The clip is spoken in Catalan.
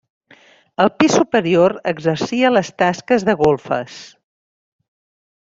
El pis superior exercia les tasques de golfes.